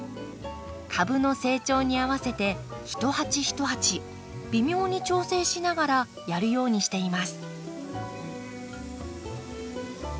株の成長に合わせて一鉢一鉢微妙に調整しながらやるようにしています。